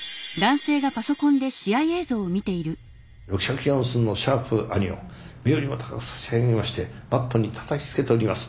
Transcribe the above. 六尺四寸のシャープ兄を胸よりも高く差し上げましてマットにたたきつけております。